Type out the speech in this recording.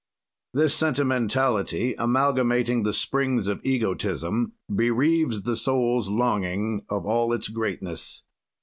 "This sentimentality amalgamating the springs of egotism bereaves the soul's longing of all its greatness.